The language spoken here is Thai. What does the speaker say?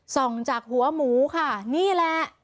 ส่องจากหัวหมูค่ะนี่แหละ